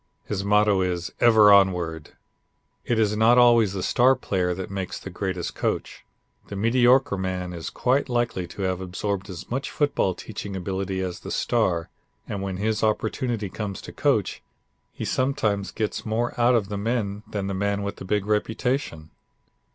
His motto is, "Ever Onward." It is not always the star player that makes the greatest coach. The mediocre man is quite likely to have absorbed as much football teaching ability as the star; and when his opportunity comes to coach, he sometimes gets more out of the men than the man with the big reputation.